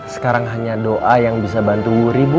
sekarang hanya doa yang bisa bantu wuri bu